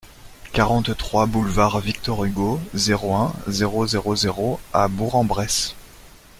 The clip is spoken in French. quarante-trois boulevard Victor Hugo, zéro un, zéro zéro zéro à Bourg-en-Bresse